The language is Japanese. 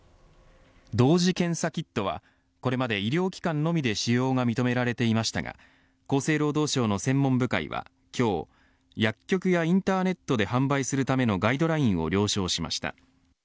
同時検査キットはこれまで医療機関のみで使用が認められていましたが厚生労働省の専門部会は今日、薬局やインターネットで販売するためのガイドラインを了承しました。